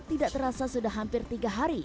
tidak terasa sudah hampir tiga hari